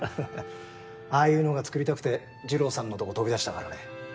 ああいうのが作りたくて二郎さんのとこ飛び出したからね。